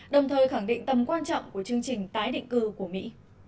đồng thời khẳng định tầm quan trọng của chương trình tái định cư của mỹ